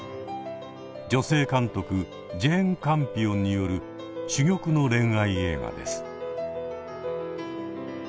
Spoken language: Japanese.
女性監督ジェーン・カンピオンによる珠玉の恋愛映画です。